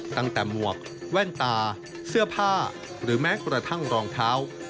หมวกแว่นตาเสื้อผ้าหรือแม้กระทั่งรองเท้า